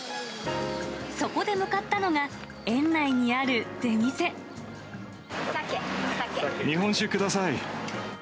そこで向かったのが、日本酒ください。